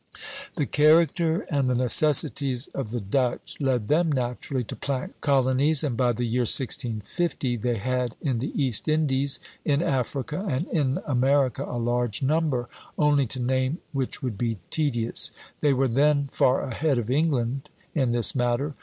The character and the necessities of the Dutch led them naturally to plant colonies; and by the year 1650 they had in the East Indies, in Africa, and in America a large number, only to name which would be tedious. They were then far ahead of England in this matter.